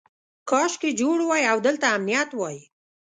کاشکې جوړ وای او دلته امنیت وای.